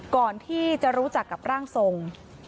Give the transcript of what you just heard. ก่อนที่จะรู้จักกับร่างทรง